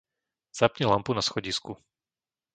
Zapni lampu na schodisku.